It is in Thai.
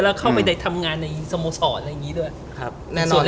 แล้วเข้าไปได้ทำงานในสโมสรด้วย